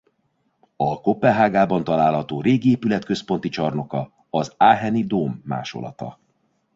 A Koppenhágában található régi épület központi csarnoka a Aacheni dóm másolata.